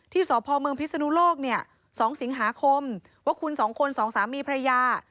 สพเมืองพิศนุโลกเนี่ย๒สิงหาคมว่าคุณสองคนสองสามีภรรยา